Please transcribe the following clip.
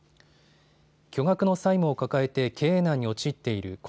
巨額の債務を抱えて経営難に陥っている恒